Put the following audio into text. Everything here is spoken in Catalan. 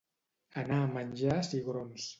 Anar a menjar cigrons.